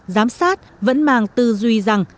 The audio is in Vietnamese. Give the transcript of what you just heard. giám sát vẫn mang tư duy rằng